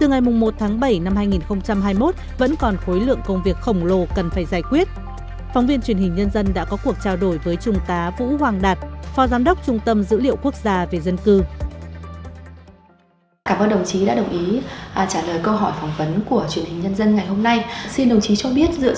đồng chí có thể cho biết những việc cần phải làm ngay để vận hành trung tâm dữ liệu quốc gia về dân cư đạt hiệu quả